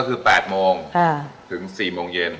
ก็คือ๘โมงถึง๔โมงเย็น